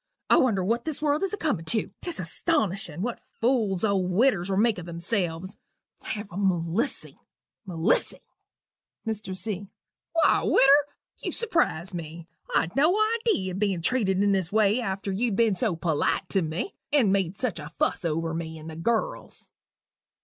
I wonder what this world is a comin' tew: 'tis astonishin' what fools old widdiwers will make o' themselves! Have Melissy! Melissy!" MR. C. "Why, widder, you surprise me. I'd no idee of being treated in this way after you'd been so polite to me, and made such a fuss over me and the girls."